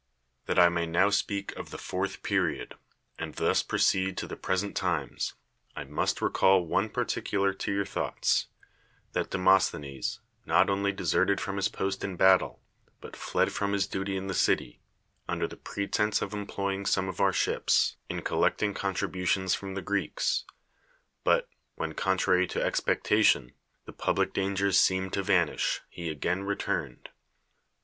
That I may now speak of the fourth perio<l. and thus proceed to the present times, I mnt recall one particular to your thoughts: that De mosthenes not only deserted from his post in battle, but fled from his duty in the city, under the pretense of employing some of our ships in 214 ^ S C H I N E S eoUectiug^ contributions i'ro;>i tiie (IreckN; but \vhen^ contrary to expectation, the public clangers seemed to vanish, he again returned.